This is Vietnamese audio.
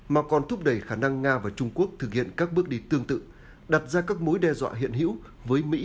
mà còn thúc đẩy khả năng nga và trung quốc thực hiện các bước đi tương tự đặt ra các mối đe dọa hiện hữu với mỹ